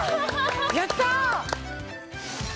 やった！